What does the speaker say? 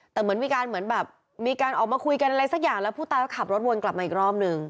แต่เหมือนมีการเหมือนแบบมีการออกมาคุยกันอะไรสักอย่างแล้วผู้ตายก็ขับรถวนกลับมาอีกรอบนึง